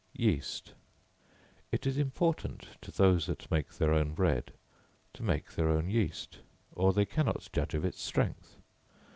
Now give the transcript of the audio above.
Yeast. It is important to those that make their own bread, to make their own yeast, or they cannot judge of its strength.